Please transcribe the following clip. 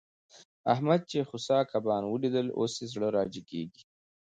احمد چې خوسا کبان وليدل؛ اوس يې زړه را جيګېږي.